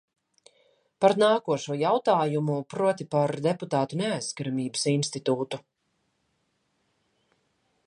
Par nākošo jautājumu, proti, par deputātu neaizskaramības institūtu.